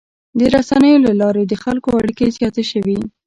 د رسنیو له لارې د خلکو اړیکې زیاتې شوي.